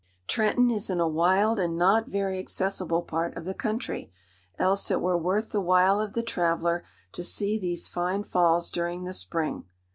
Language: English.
Trenton is in a wild and not very accessible part of the country, else it were worth the while of the traveller to see these fine Falls during the spring.